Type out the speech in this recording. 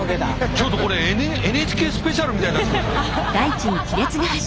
ちょっとこれ「ＮＨＫスペシャル」みたいになって。